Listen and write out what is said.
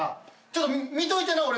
ちょっと見といてな俺。